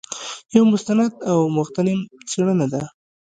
یو مستند او مغتنم څېړنه ده.